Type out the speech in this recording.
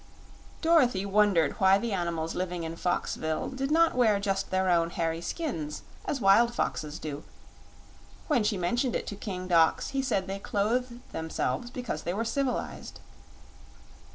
Dorothy wondered why the animals living in Foxville did not wear just their own hairy skins as wild foxes do; when she mentioned it to King Dox he said they clothed themselves because they were civilized.